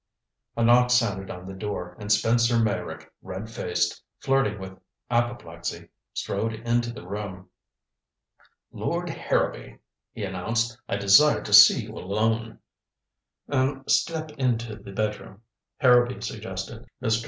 A knock sounded on the door and Spencer Meyrick, red faced, flirting with apoplexy, strode into the room. "Lord Harrowby," he announced, "I desire to see you alone." "Er step into the bedroom," Harrowby suggested. Mr.